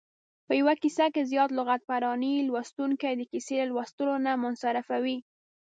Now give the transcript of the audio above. په یوه کیسه کې زیاته لغت پراني لوستونکی د کیسې له لوستلو نه منصرفوي.